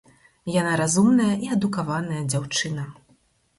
Яна разумная і адукаваная дзяўчына.